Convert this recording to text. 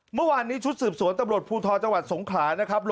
เมื่อวานนี้ชุดสืบสวนตำรวจภูทรจังหวัดสงขลานะครับ